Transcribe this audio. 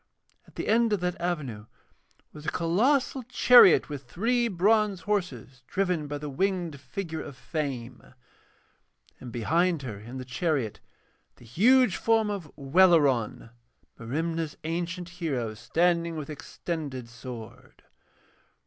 At the end of that avenue was a colossal chariot with three bronze horses driven by the winged figure of Fame, and behind her in the chariot the huge form of Welleran, Merimna's ancient hero, standing with extended sword.